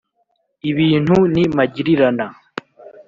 ibintu ni magirirana